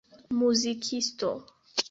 muzikisto